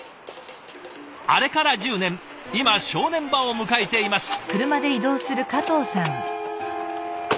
あれから１０年今正念場を迎えています。